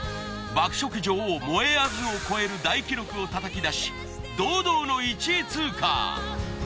爆食女王もえあずを超える大記録を叩き出し堂々の１位通過。